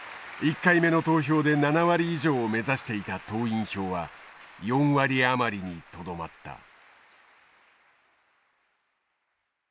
１回目の投票で７割以上を目指していた党員票は４割余りに留まった。